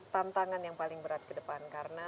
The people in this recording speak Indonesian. tantangan yang paling berat ke depan karena